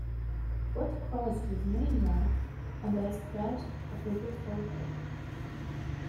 What was his name now?” And I scratched a forgetful head.